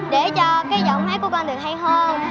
để cho cái giọng máy của con được hay hơn